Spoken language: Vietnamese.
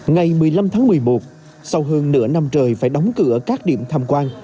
ngày một mươi năm tháng một mươi một sau hơn nửa năm trời phải đóng cửa các điểm tham quan